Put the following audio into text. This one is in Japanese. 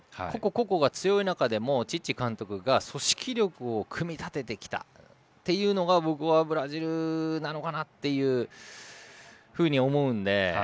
個々が強い中でも、チッチ監督が組織力を組み立ててきたというのが僕はブラジルなのかなと思うので。